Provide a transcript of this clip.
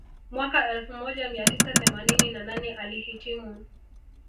Mwaka elfu moja mia tisa themanini na nane alihitimu